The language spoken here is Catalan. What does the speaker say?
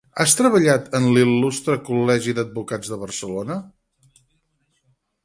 Ha treballat en l'Il·lustre Col·legi d'Advocats de Barcelona?